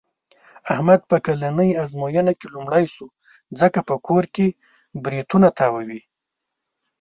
احمد په کلنۍ ازموینه کې لومړی شو. ځکه په کور کې برېتونه تاووي.